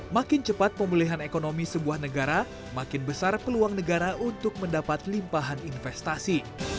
makin cepat pemulihan ekonomi sebuah negara makin besar peluang negara untuk mendapat limpahan investasi